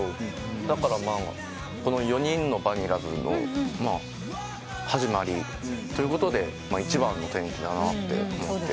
だからこの４人のバニラズの始まりということで一番の転機だなと思って。